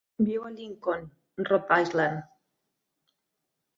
Viu a Lincoln, Rhode Island.